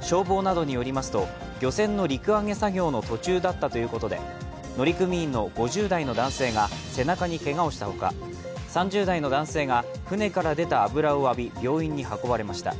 消防などによりますと、漁船の陸揚げ作業の途中だったということで乗組員の５０代の男性が背中にけがをしたほか、３０代の男性が船から出た油を浴び病院に運ばれました。